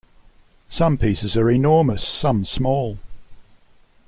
Some pieces are enormous, some small.